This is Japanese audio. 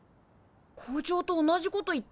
校長と同じこと言ってる。